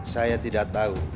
saya tidak tahu